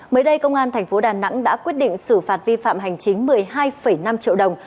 mới đây công an tp đà nẵng đã quyết định xử phạt vi phạm hành chính một mươi hai năm triệu đồng